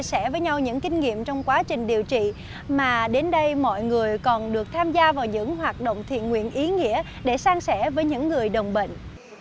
chia sẻ với nhau những kinh nghiệm trong quá trình điều trị mà đến đây mọi người còn được tham gia vào những hoạt động thiện nguyện ý nghĩa để sang sẻ với những người đồng bệnh